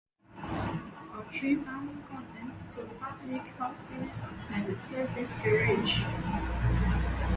Ottringham contains two public houses and a service garage.